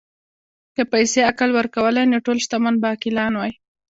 که پیسې عقل ورکولی، نو ټول شتمن به عاقلان وای.